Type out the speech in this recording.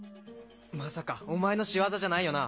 まさかお前の仕業じゃないよな？